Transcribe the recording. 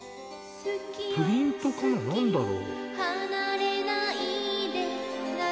プリントかな何だろう？